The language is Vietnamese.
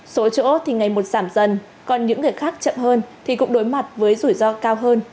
số chỗ thì ngày một giảm dần còn những người khác chậm hơn thì cũng đối mặt với rủi ro cao hơn